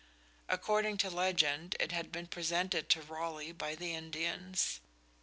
According to legend it had been presented to Raleigh by the Indians.